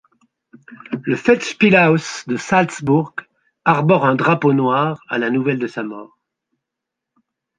Le Festspielhaus de Salzbourg arbore un drapeau noir à la nouvelle de sa mort.